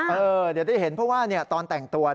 เดี๋ยวได้เห็นเพราะว่าตอนแต่งตัว